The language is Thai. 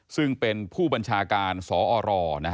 ซึ่งเป็นผู้บัญชาการสอร